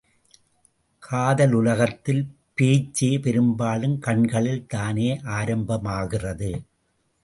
காதலுலகத்தில் பேச்சே பெரும்பாலும் கண்களில் தானே ஆரம்பமாகிறது?